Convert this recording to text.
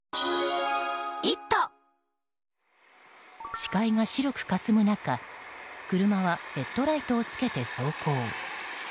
視界が白くかすむ中車はヘッドライトをつけて走行。